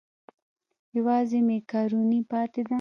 یوازې مېکاروني پاتې ده.